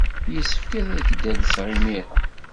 Yessefk ad ak-d-alseɣ imir-a.